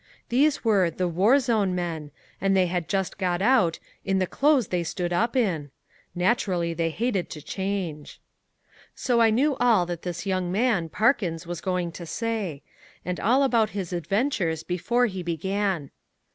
These were the "war zone" men and they had just got out "in the clothes they stood up in." Naturally they hated to change. So I knew all that this young man, Parkins, was going to say, and all about his adventures before he began.